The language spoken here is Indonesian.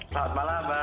selamat malam pak agus